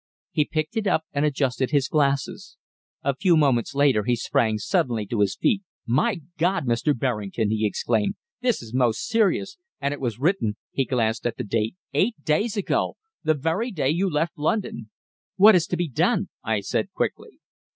He picked it up and adjusted his glasses. A few moments later he sprang suddenly to his feet. "My God! Mr. Berrington!" he exclaimed, "this is most serious! And it was written " he glanced at the date "eight days ago the very day you left London." "What is to be done?" I said quickly.